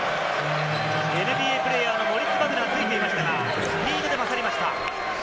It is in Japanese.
ＮＢＡプレーヤーのモリッツ・バグナーがついていましたが、フィードで勝りました。